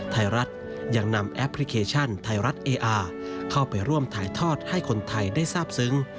ไทยรัฐยังนำแอปพลิเคชันไทยรัฐเออาร์เข้าไปร่วมถ่ายทอดให้คนไทยได้ทราบซึ้ง